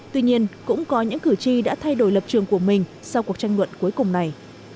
tuy nhiên cũng có những cử tri đã thay đổi lập trường của mình sau cuộc tranh luận cuối cùng này